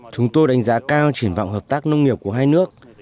chúng tôi đánh giá cao triển vọng hợp tác nông nghiệp của hai nước